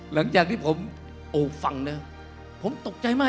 หลังจากนี้ผมตกใจมาก